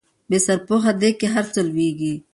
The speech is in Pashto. په بې سرپوښه ديګ کې هر څه لوېږي